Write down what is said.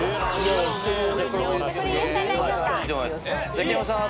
ザキヤマさんは？